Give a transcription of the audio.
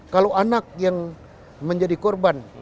kalau anak yang menjadi korban